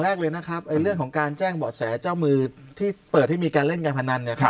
แรกเลยนะครับเรื่องของการแจ้งเบาะแสเจ้ามือที่เปิดให้มีการเล่นการพนันเนี่ย